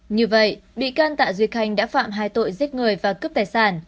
như vậy bị can tạ duy khanh đã phạm hai tội giết người và cướp tài sản